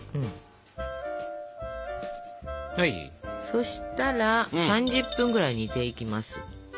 そしたら３０分くらい煮ていきます。